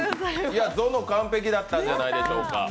ぞの、完璧だったんじゃないでしょうか？